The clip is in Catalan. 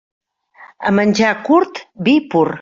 A menjar curt, vi pur.